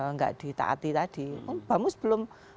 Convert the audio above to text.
nggak ditaati tadi bamus belum